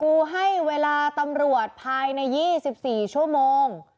ครูให้เวลาตำรวจภายใน๒๔ชั่วโมง